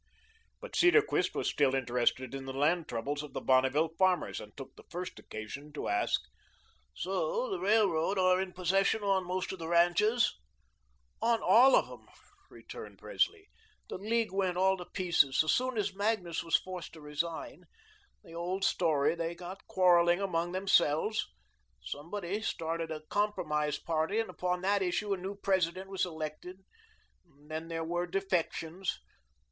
But Cedarquist was still interested in the land troubles of the Bonneville farmers, and took the first occasion to ask: "So, the Railroad are in possession on most of the ranches?" "On all of them," returned Presley. "The League went all to pieces, so soon as Magnus was forced to resign. The old story they got quarrelling among themselves. Somebody started a compromise party, and upon that issue a new president was elected. Then there were defections.